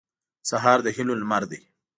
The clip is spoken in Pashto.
سهار د هیلو لمر دی.